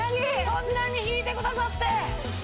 そんなに引いてくださって！